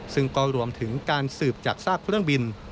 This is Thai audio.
ซึ่งก็รวมถึงการสืบจากซากเครื่องบิน